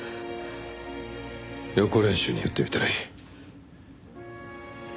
予行練習に撃ってみたらいい。